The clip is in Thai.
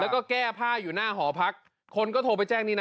แล้วก็แก้ผ้าอยู่หน้าหอพักคนก็โทรไปแจ้งนี่นะ